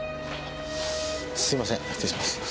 すいません失礼します。